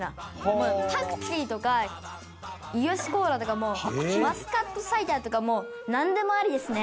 「もうパクチーとか伊良コーラとかもマスカットサイダーとかもうなんでもありですね」